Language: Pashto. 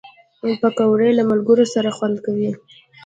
پکورې له ملګرو سره خوند کوي